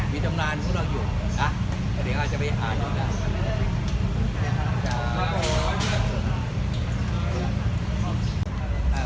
มีจำนานของเราอยู่แต่เดี๋ยวเราจะไปอ่านอยู่กัน